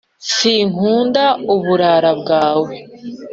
Si nkunda iburara bwawe